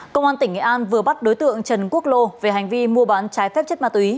công an tỉnh nghệ an vừa bắt đối tượng trần quốc lô về hành vi mua bán trái phép chất ma túy